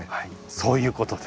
そういうことです。